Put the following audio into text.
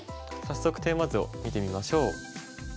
早速テーマ図を見てみましょう。